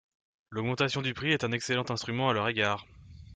L’augmentation du prix est un excellent instrument à leur égard.